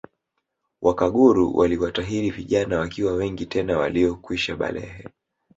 Wakaguru waliwatahiri vijana wakiwa wengi tena waliokwisha balehe